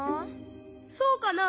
そうかな？